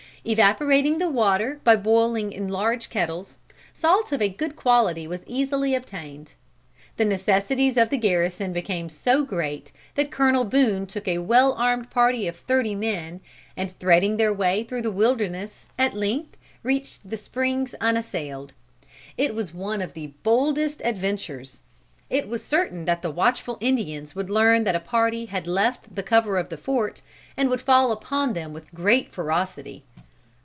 Evaporating the water by boiling in large kettles, salt of a good quality was easily obtained. The necessities of the garrison became so great, that Colonel Boone took a well armed party of thirty men, and threading their way through the wilderness, at length reached the springs unassailed. It was one of the boldest of adventures. It was certain that the watchful Indians would learn that a party had left the cover of the fort, and would fall upon them with great ferocity.